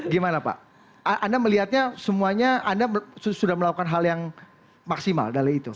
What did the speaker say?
gimana pak anda melihatnya semuanya anda sudah melakukan hal yang maksimal dari itu